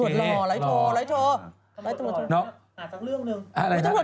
หลายตำรวจหล่อ